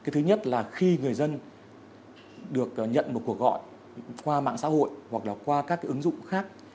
thứ nhất là khi người dân được nhận một cuộc gọi qua mạng xã hội hoặc là qua các ứng dụng khác